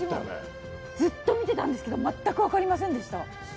ずっと見てたんですけど全く分かりませんでした。